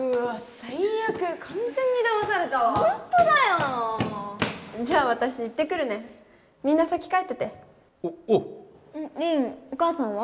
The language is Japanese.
最悪完全にだまされたわホントだよじゃあ私行ってくるねみんな先帰ってておっおう凛お母さんは？